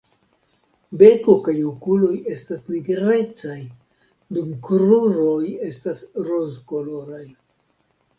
Beko kaj okuloj estas nigrecaj, dum kruroj estas rozkoloraj.